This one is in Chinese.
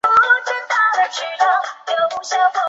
州或地区重新划分为州。